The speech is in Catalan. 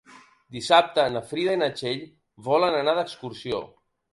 Dissabte na Frida i na Txell volen anar d'excursió.